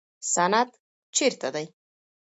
سند چیرته دی؟